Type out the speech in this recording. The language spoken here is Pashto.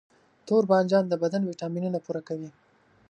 توربانجان د بدن ویټامینونه پوره کوي.